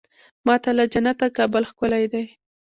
ما ته له جنته کابل ښکلی دی.